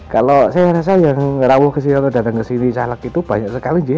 kalau saya rasa yang rawuh datang ke sini cahaleg itu banyak sekali